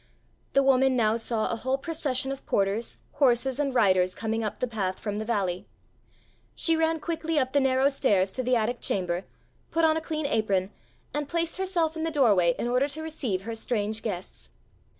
The woman now saw a whole procession of porters, horses and riders coming up the path from the valley. She ran quickly up the narrow stairs to the attic chamber, put on a clean apron, and placed herself in the doorway in order to receive her strange guests.